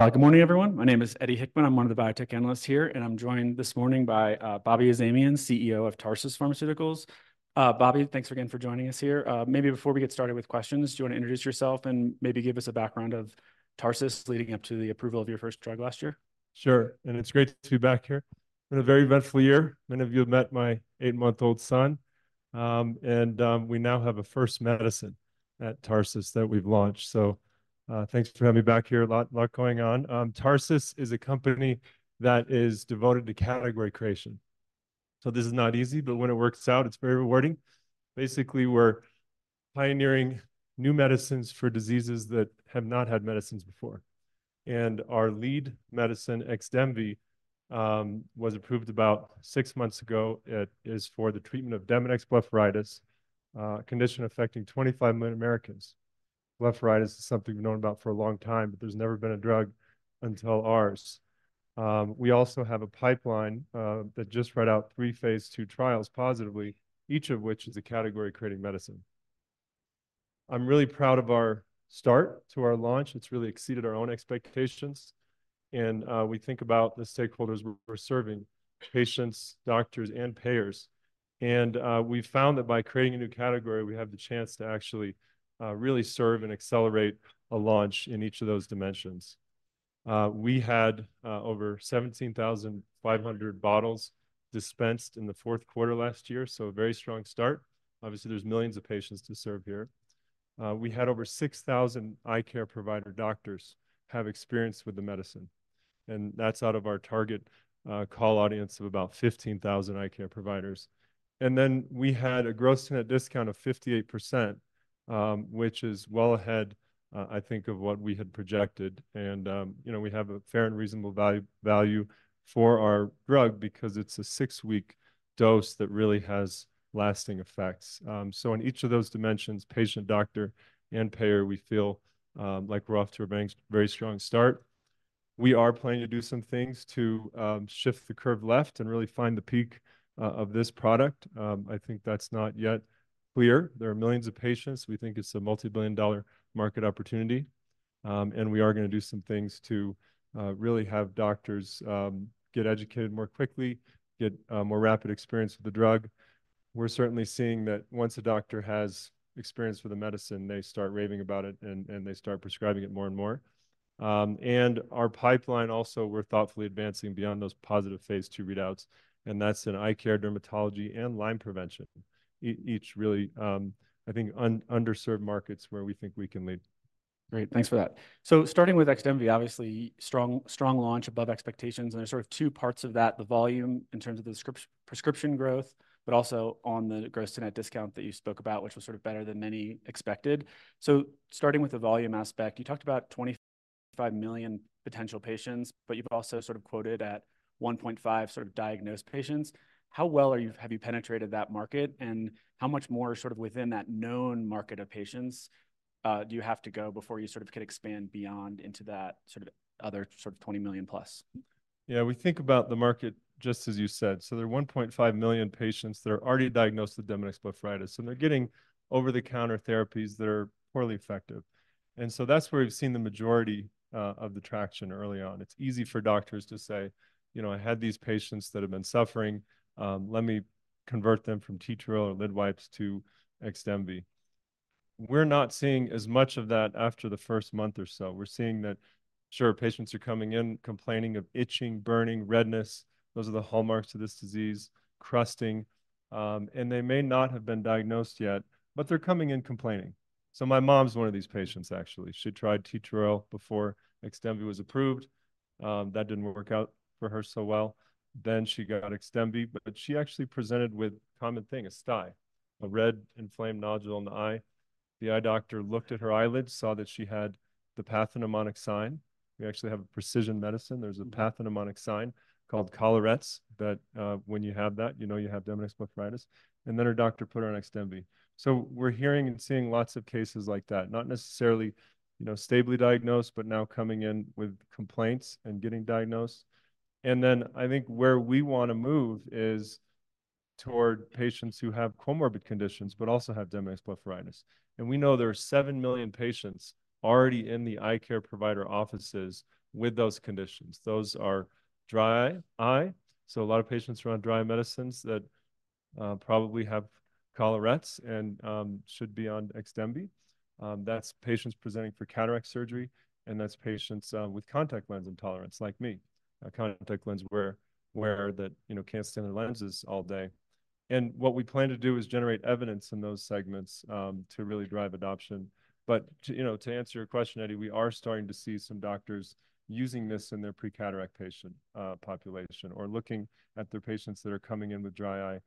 Good morning, everyone. My name is Eddie Hickman. I'm one of the biotech analysts here, and I'm joined this morning by Bobby Azamian, CEO of Tarsus Pharmaceuticals. Bobby, thanks again for joining us here. Maybe before we get started with questions, do you want to introduce yourself and maybe give us a background of Tarsus leading up to the approval of your first drug last year? Sure, and it's great to be back here. Been a very eventful year. Many of you have met my eight-month-old son. And, we now have a first medicine at Tarsus that we've launched, so, thanks for having me back here. A lot, a lot going on. Tarsus is a company that is devoted to category creation. So this is not easy, but when it works out, it's very rewarding. Basically, we're pioneering new medicines for diseases that have not had medicines before. And our lead medicine, XDEMVY, was approved about six months ago. It is for the treatment of Demodex blepharitis, a condition affecting 25 million Americans. Blepharitis is something we've known about for a long time, but there's never been a drug until ours. We also have a pipeline, that just read out three phase II trials positively, each of which is a category-creating medicine. I'm really proud of our start to our launch. It's really exceeded our own expectations. And we think about the stakeholders we're serving: patients, doctors, and payers. And we've found that by creating a new category, we have the chance to actually really serve and accelerate a launch in each of those dimensions. We had over 17,500 bottles dispensed in the fourth quarter last year, so a very strong start. Obviously, there's millions of patients to serve here. We had over 6,000 eye care provider doctors have experience with the medicine. And that's out of our target core audience of about 15,000 eye care providers. And then we had a gross net discount of 58%, which is well ahead, I think, of what we had projected. And you know, we have a fair and reasonable value for our drug because it's a six-week dose that really has lasting effects. So in each of those dimensions, patient, doctor, and payer, we feel like we're off to a very strong start. We are planning to do some things to shift the curve left and really find the peak of this product. I think that's not yet clear. There are millions of patients. We think it's a multi-billion-dollar market opportunity. We are going to do some things to really have doctors get educated more quickly, get more rapid experience with the drug. We're certainly seeing that once a doctor has experience with a medicine, they start raving about it and they start prescribing it more and more. Our pipeline also, we're thoughtfully advancing beyond those positive phase II readouts, and that's in eye care, dermatology, and Lyme prevention, each really, I think, underserved markets where we think we can lead. Great, thanks for that. So starting with XDEMVY, obviously, strong, strong launch above expectations. And there's sort of two parts of that: the volume in terms of the prescription growth, but also on the gross net discount that you spoke about, which was sort of better than many expected. So starting with the volume aspect, you talked about 25 million potential patients, but you've also sort of quoted at 1.5 sort of diagnosed patients. How well have you penetrated that market, and how much more sort of within that known market of patients, do you have to go before you sort of can expand beyond into that sort of other sort of 20 million plus? Yeah, we think about the market just as you said. So there are 1.5 million patients that are already diagnosed with Demodex blepharitis, and they're getting over-the-counter therapies that are poorly effective. And so that's where we've seen the majority, of the traction early on. It's easy for doctors to say, you know, I had these patients that have been suffering, let me convert them from Tetral or lid wipes to XDEMVY. We're not seeing as much of that after the first month or so. We're seeing that, sure, patients are coming in complaining of itching, burning, redness. Those are the hallmarks of this disease: crusting, and they may not have been diagnosed yet, but they're coming in complaining. So my mom's one of these patients, actually. She tried Tetral before XDEMVY was approved. That didn't work out for her so well. Then she got XDEMVY, but she actually presented with a common thing, a stye, a red inflamed nodule in the eye. The eye doctor looked at her eyelids, saw that she had the pathognomonic sign. We actually have a precision medicine. There's a pathognomonic sign called collarettes that, when you have that, you know you have Demodex blepharitis. And then her doctor put her on XDEMVY. So we're hearing and seeing lots of cases like that, not necessarily, you know, stably diagnosed, but now coming in with complaints and getting diagnosed. And then I think where we want to move is toward patients who have comorbid conditions but also have Demodex blepharitis. And we know there are seven million patients already in the eye care provider offices with those conditions. Those are dry eye. So a lot of patients are on dry medicines that probably have collarettes and should be on XDEMVY. That's patients presenting for cataract surgery, and that's patients with contact lens intolerance like me, a contact lens wearer that, you know, can't stand their lenses all day. And what we plan to do is generate evidence in those segments to really drive adoption. But to, you know, to answer your question, Eddie, we are starting to see some doctors using this in their pre-cataract patient population or looking at their patients that are coming in with dry eye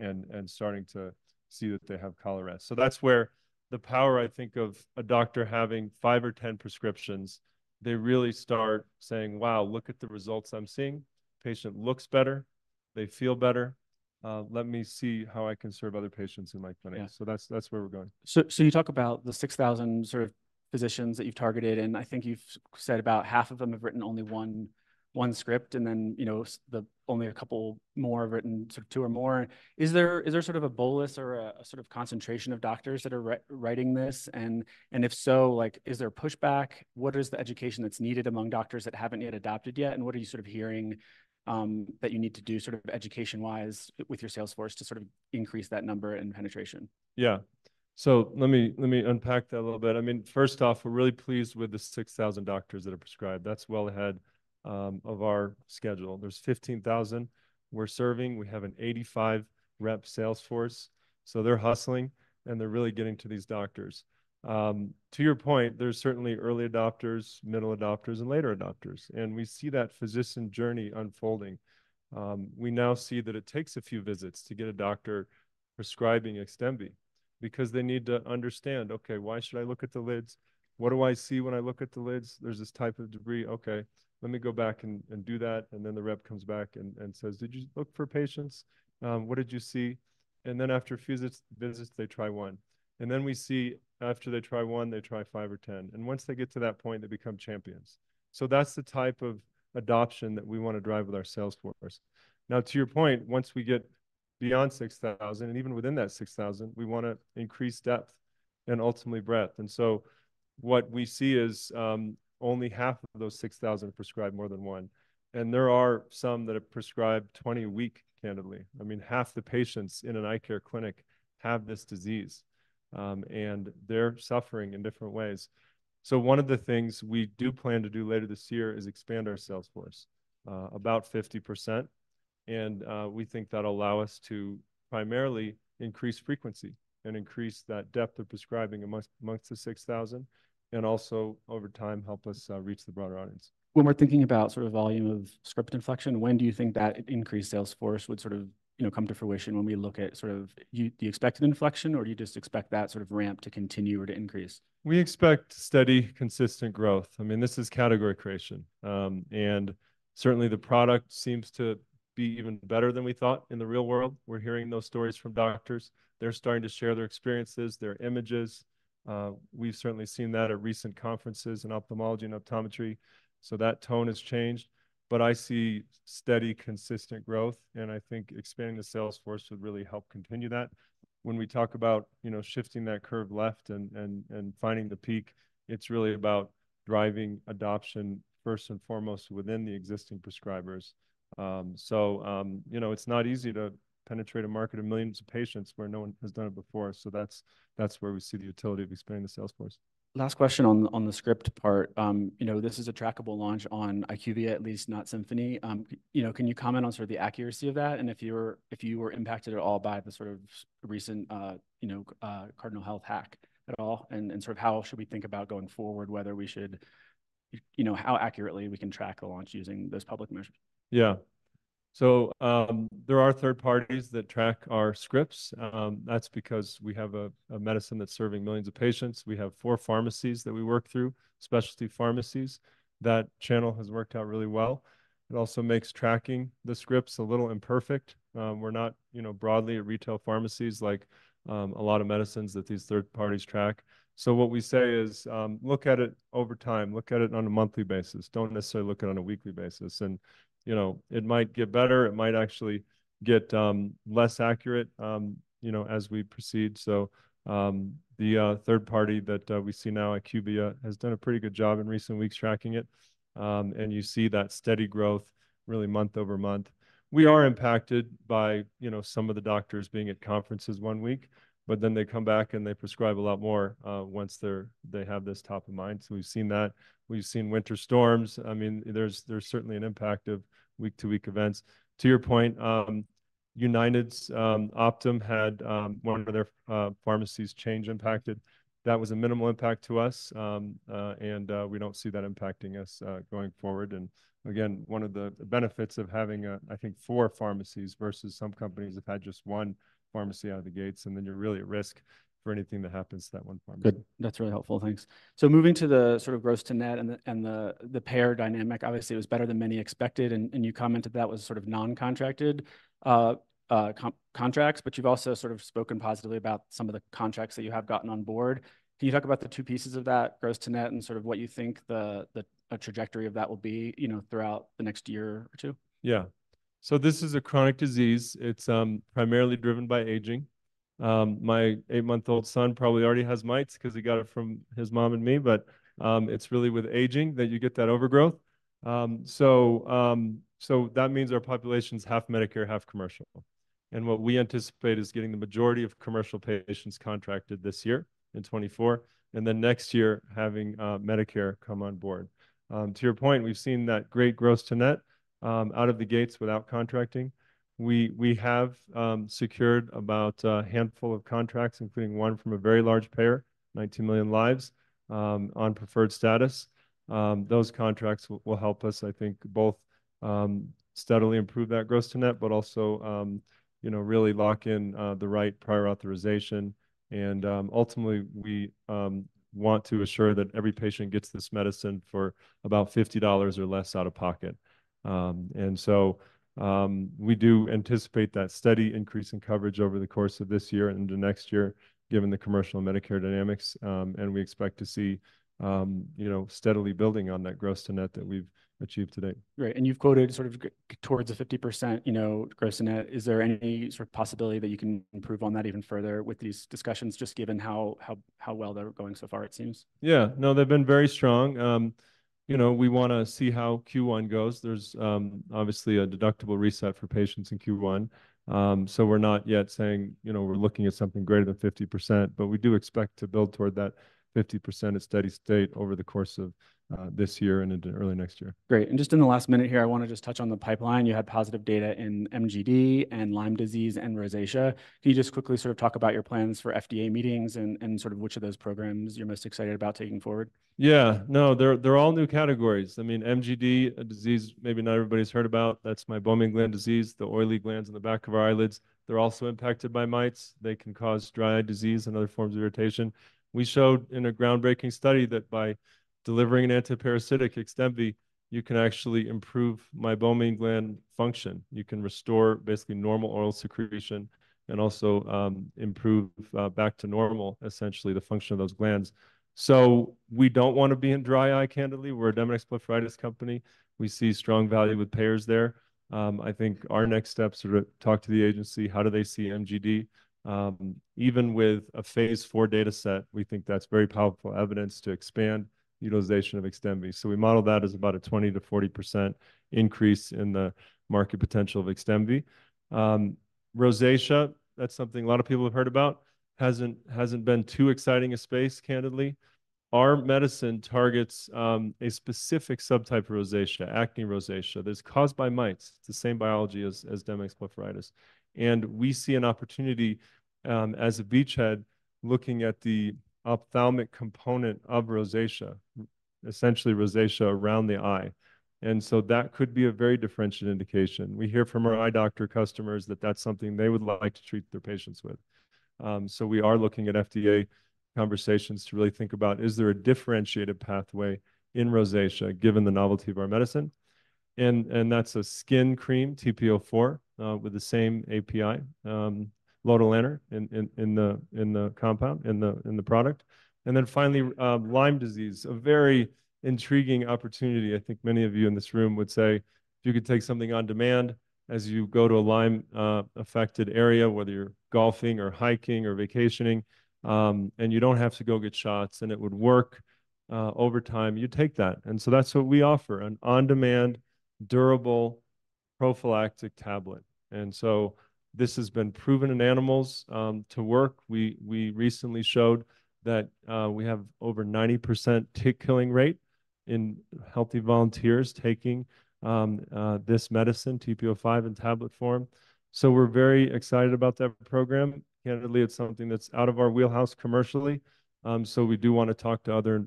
and starting to see that they have collarettes. So that's where the power, I think, of a doctor having five or 10 prescriptions; they really start saying, wow, look at the results I'm seeing. Patient looks better. They feel better. Let me see how I can serve other patients in my clinic. So that's where we're going. So you talk about the 6,000 sort of physicians that you've targeted, and I think you've said about half of them have written only one script, and then, you know, the only a couple more have written sort of two or more. Is there sort of a bolus or a sort of concentration of doctors that are writing this? And if so, like, is there pushback? What is the education that's needed among doctors that haven't yet adopted? And what are you sort of hearing that you need to do sort of education-wise with your salesforce to sort of increase that number and penetration? Yeah. So let me let me unpack that a little bit. I mean, first off, we're really pleased with the 6,000 doctors that are prescribed. That's well ahead of our schedule. There's 15,000 we're serving. We have an 85 rep salesforce. So they're hustling, and they're really getting to these doctors. To your point, there's certainly early adopters, middle adopters, and later adopters. And we see that physician journey unfolding. We now see that it takes a few visits to get a doctor prescribing XDEMVY because they need to understand, okay, why should I look at the lids? What do I see when I look at the lids? There's this type of debris. Okay, let me go back and do that. And then the rep comes back and says, did you look for patients? What did you see? And then after a few visits, they try one. And then we see after they try one, they try five or 10. And once they get to that point, they become champions. So that's the type of adoption that we want to drive with our salesforce. Now, to your point, once we get beyond 6,000 and even within that 6,000, we want to increase depth and ultimately breadth. And so what we see is, only half of those 6,000 prescribe more than one. And there are some that have prescribed 20 a week, candidly. I mean, half the patients in an eye care clinic have this disease, and they're suffering in different ways. So one of the things we do plan to do later this year is expand our salesforce, about 50%. We think that'll allow us to primarily increase frequency and increase that depth of prescribing amongst the 6,000 and also over time help us reach the broader audience. When we're thinking about sort of volume of script inflection, when do you think that increased salesforce would sort of, you know, come to fruition when we look at sort of you the expected inflection, or do you just expect that sort of ramp to continue or to increase? We expect steady, consistent growth. I mean, this is category creation. And certainly the product seems to be even better than we thought in the real world. We're hearing those stories from doctors. They're starting to share their experiences, their images. We've certainly seen that at recent conferences in ophthalmology and optometry. So that tone has changed. But I see steady, consistent growth, and I think expanding the salesforce would really help continue that. When we talk about, you know, shifting that curve left and finding the peak, it's really about driving adoption first and foremost within the existing prescribers. So, you know, it's not easy to penetrate a market of millions of patients where no one has done it before. So that's where we see the utility of expanding the salesforce. Last question on the script part. You know, this is a trackable launch on IQVIA, at least not Symphony. You know, can you comment on sort of the accuracy of that and if you were impacted at all by the sort of recent, you know, Cardinal Health hack at all and sort of how should we think about going forward, whether we should, you know, how accurately we can track the launch using those public measures? Yeah. So, there are third parties that track our scripts. That's because we have a medicine that's serving millions of patients. We have four pharmacies that we work through, specialty pharmacies. That channel has worked out really well. It also makes tracking the scripts a little imperfect. We're not, you know, broadly at retail pharmacies like a lot of medicines that these third parties track. So what we say is, look at it over time. Look at it on a monthly basis. Don't necessarily look at it on a weekly basis. And, you know, it might get better. It might actually get less accurate, you know, as we proceed. So, the third party that we see now, IQVIA, has done a pretty good job in recent weeks tracking it. And you see that steady growth really month-over-month. We are impacted by, you know, some of the doctors being at conferences one week, but then they come back and they prescribe a lot more, once they have this top of mind. So we've seen that. We've seen winter storms. I mean, there's certainly an impact of week-to-week events. To your point, United's Optum had one of their pharmacies Change impacted. That was a minimal impact to us. We don't see that impacting us going forward. And again, one of the benefits of having, I think, four pharmacies versus some companies have had just one pharmacy out of the gates, and then you're really at risk for anything that happens to that one pharmacy. Good. That's really helpful. Thanks. So moving to the sort of gross-to-net and the payer dynamic, obviously, it was better than many expected, and you commented that was sort of non-contracted contracts, but you've also sort of spoken positively about some of the contracts that you have gotten on board. Can you talk about the two pieces of that, gross-to-net, and sort of what you think the trajectory of that will be, you know, throughout the next year or two? Yeah. So this is a chronic disease. It's primarily driven by aging. My eight-month-old son probably already has mites because he got it from his mom and me, but it's really with aging that you get that overgrowth. So that means our population's half Medicare, half commercial. And what we anticipate is getting the majority of commercial patients contracted this year in 2024, and then next year having Medicare come on board. To your point, we've seen that great gross-to-net out of the gates without contracting. We have secured about a handful of contracts, including one from a very large payer, 19 million lives, on preferred status. Those contracts will help us, I think, both steadily improve that gross-to-net, but also, you know, really lock in the right prior authorization. Ultimately, we want to assure that every patient gets this medicine for about $50 or less out of pocket. So, we do anticipate that steady increase in coverage over the course of this year and into next year, given the commercial Medicare dynamics. We expect to see, you know, steadily building on that gross-to-net that we've achieved today. Great. And you've quoted sort of towards a 50%, you know, gross-to-net. Is there any sort of possibility that you can improve on that even further with these discussions, just given how well they're going so far, it seems? Yeah. No, they've been very strong. You know, we want to see how Q1 goes. There's, obviously, a deductible reset for patients in Q1. So we're not yet saying, you know, we're looking at something greater than 50%, but we do expect to build toward that 50% at steady state over the course of this year and into early next year. Great. Just in the last minute here, I want to just touch on the pipeline. You had positive data in MGD and Lyme disease and rosacea. Can you just quickly sort of talk about your plans for FDA meetings and sort of which of those programs you're most excited about taking forward? Yeah. No, they're all new categories. I mean, MGD, a disease maybe not everybody's heard about. That's Meibomian gland disease, the oily glands in the back of our eyelids. They're also impacted by mites. They can cause dry eye disease and other forms of irritation. We showed in a groundbreaking study that by delivering an antiparasitic, XDEMVY, you can actually improve Meibomian gland function. You can restore basically normal oil secretion and also, improve, back to normal, essentially, the function of those glands. So we don't want to be in dry eye, candidly. We're a Demodex blepharitis company. We see strong value with payers there. I think our next step is to talk to the agency. How do they see MGD, even with a phase IV data set, we think that's very powerful evidence to expand utilization of XDEMVY. So we model that as about a 20%-40% increase in the market potential of XDEMVY. Rosacea, that's something a lot of people have heard about, hasn't been too exciting a space, candidly. Our medicine targets a specific subtype of rosacea, acne rosacea. That's caused by mites. It's the same biology as Demodex blepharitis. And we see an opportunity, as a beachhead, looking at the ophthalmic component of rosacea, essentially rosacea around the eye. And so that could be a very differentiating indication. We hear from our eye doctor customers that that's something they would like to treat their patients with. So we are looking at FDA conversations to really think about, is there a differentiated pathway in rosacea given the novelty of our medicine? And that's a skin cream, TP-04, with the same API, lotilaner in the compound, in the product. And then finally, Lyme disease, a very intriguing opportunity, I think many of you in this room would say, if you could take something on demand as you go to a Lyme-affected area, whether you're golfing or hiking or vacationing, and you don't have to go get shots and it would work, over time, you'd take that. And so that's what we offer, an on-demand, durable prophylactic tablet. And so this has been proven in animals to work. We recently showed that we have over 90% tick-killing rate in healthy volunteers taking this medicine, TP-05, in tablet form. So we're very excited about that program. Candidly, it's something that's out of our wheelhouse commercially. So we do want to talk to other,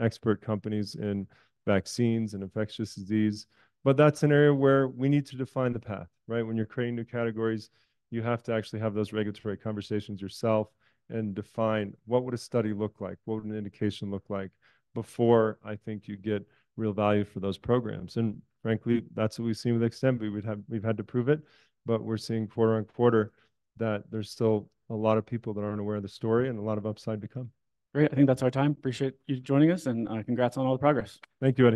expert companies in vaccines and infectious disease. But that's an area where we need to define the path, right? When you're creating new categories, you have to actually have those regulatory conversations yourself and define what would a study look like, what would an indication look like, before I think you get real value for those programs. And frankly, that's what we've seen with XDEMVY. We've had to prove it, but we're seeing quarter-on-quarter that there's still a lot of people that aren't aware of the story and a lot of upside to come. Great. I think that's our time. Appreciate you joining us, and congrats on all the progress. Thank you, Ed.